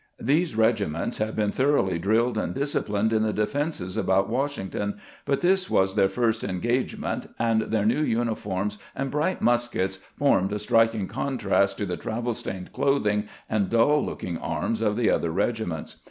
These regiments had been thoroughly drilled and disciplined in the defenses about Washing ton, but this was their first engagement, and their new uniforms and bright muskets formed a striking contrast to the travel stained clothing and dull looking arms of the other regiments.